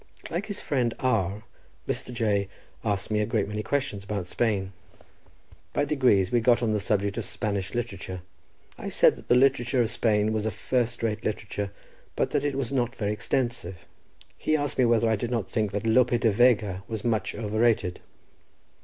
Like his friend R—, Mr. J— asked me a great many questions about Spain. By degrees we got on the subject of Spanish literature. I said that the literature of Spain was a first rate literature, but that it was not very extensive. He asked me whether I did not think that Lope de Vega was much overrated.